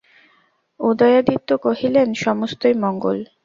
উদয়াদিত্য কহিলেন, সমস্তই মঙ্গল।